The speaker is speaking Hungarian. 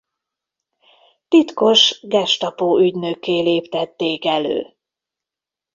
Titkos Gestapo-ügynökké léptették elő.